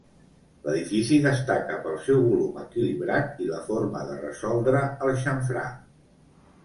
L'edifici destaca pel seu volum equilibrat i la forma de resoldre el xamfrà.